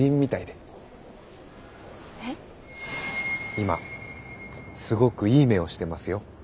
今すごくいい目をしてますよ。